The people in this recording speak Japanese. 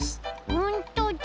ほんとだ！